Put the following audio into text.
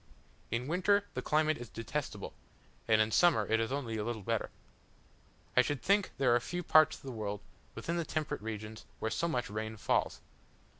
In winter the climate is detestable, and in summer it is only a little better. I should think there are few parts of the world, within the temperate regions, where so much rain falls.